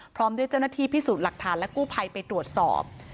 พร้อมด้วยเจ้าหน้าที่พิสูจน์หลักฐานและกู้ภัยไปตรวจสอบ